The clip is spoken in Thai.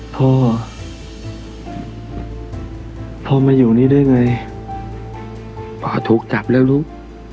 พ่อพ่อมาอยู่นี่ได้ไงพ่อถูกจับแล้วลูก